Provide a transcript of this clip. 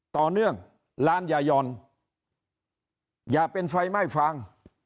ต่อเนื่องร้านยายอนอย่าเป็นไฟไหม้ฟาง